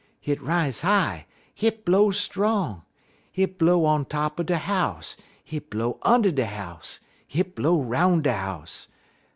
Hit rise high, hit blow strong. Hit blow on top er de house, hit blow und' de house, hit blow 'roun' de house.